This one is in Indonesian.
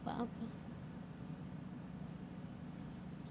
aku gak ada hubungan apa apa